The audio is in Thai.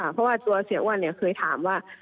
เพราะว่าตัวเสียอ้วนเคยถามว่า